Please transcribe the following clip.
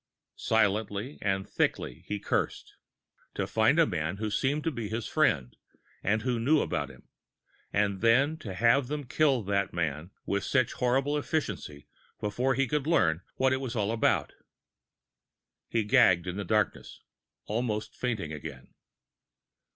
Silently and thickly, he cursed. To find a man who seemed to be his friend, and who knew about him and then to have them kill that man with such horrible efficiency before he could learn what it was all about! He gagged in the darkness, almost fainting again.